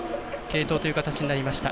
継投という形になりました。